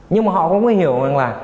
nhưng mà họ không có hiểu